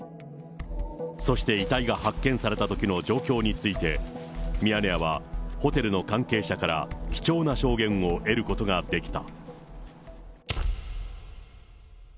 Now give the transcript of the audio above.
そして遺体が発見されたときの状況について、ミヤネ屋はホテルの関係者から貴重な証言を得ることができた。